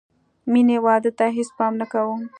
مینې واده ته هېڅ پام نه کاوه